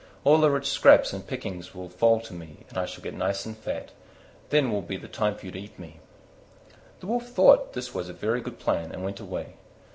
All the rich scraps and pickings will fall to me and I shall get nice and fat: then will be the time for you to eat me." The Wolf thought this was a very good plan and went away.